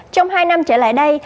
trong hai năm trở lại đây